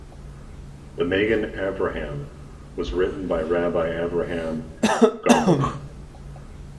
The Magen Avraham was written by Rabbi Avraham Gombiner.